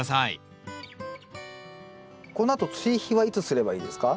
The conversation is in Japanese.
このあと追肥はいつすればいいですか？